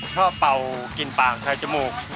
ชอบเป่ากลิ่นปากท้ายจมูก